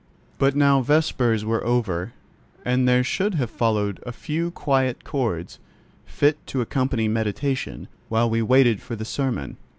But now vespers were over, and there should have followed a few quiet chords, fit to accompany meditation, while we waited for the sermon.